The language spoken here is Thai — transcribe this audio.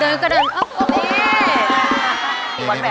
เดินกระเดินเอ้าโอเค